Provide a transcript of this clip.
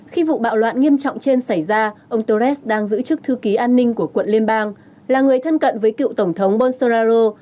khi vụ bạo loạn nghiêm trọng trên xảy ra ông torres đang giữ chức thư ký an ninh của quận liên bang là người thân cận với cựu tổng thống bolsoraro